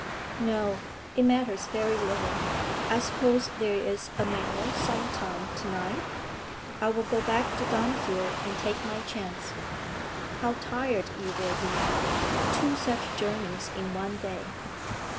'No; it matters very little; I suppose there is a mail some time to night? I will go back to Dunfield and take my chance.' 'How tired you will be! Two such journeys in one day.'